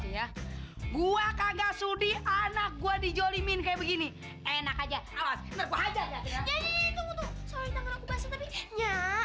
ya gua kagak sudi anak gua dijolimi kayak begini enak aja awas nanti aku hajar ya